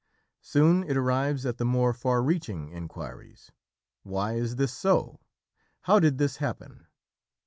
Soon it arrives at the more far reaching inquiries "Why is this so?" "How did this happen?"